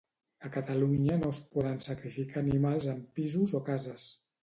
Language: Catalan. A Catalunya no es poden sacrificar animals en pisos o cases.